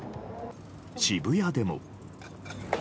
渋谷でも。